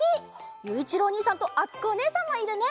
ゆういちろうおにいさんとあつこおねえさんもいるね。